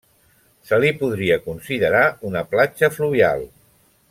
Se li podria considerar una platja fluvial.